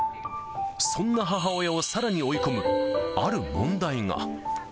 そんな母親をさらに追い込む、ある問題が。